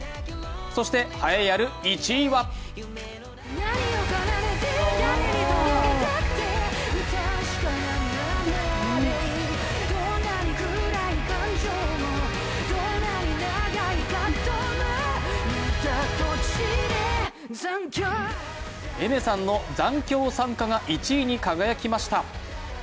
そして、栄えある１位はＡｉｍｅｒさんの「残響散歌」が１位に輝きました。